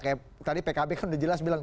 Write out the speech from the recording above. kayak tadi pkb kan udah jelas bilang